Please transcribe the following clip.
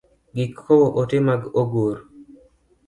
Gik kowo ote ma ogur.